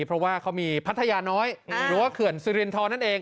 เพราะว่าเขามีพัทยาน้อยหรือว่าเขื่อนซิรินทรนั่นเอง